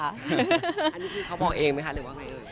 อันนี้คือเขาบอกเองไหมคะหรือว่าไงเอ่ย